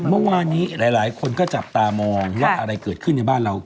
เมื่อวานนี้หลายคนก็จับตามองว่าอะไรเกิดขึ้นในบ้านเรา